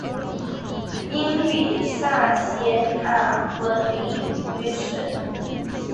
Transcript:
因比萨斜塔闻名于世。